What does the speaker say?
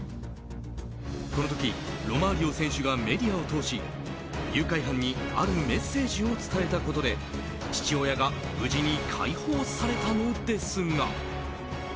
この時、ロマーリオ選手がメディアを通し誘拐犯にあるメッセージを伝えたことで父親が無事に解放されたのですが。